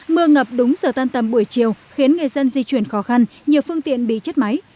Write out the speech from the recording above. mưa ngập đúng giờ tan tầm buổi chiều khiến người dân di chuyển khó khăn nhiều phương tiện bị chết máy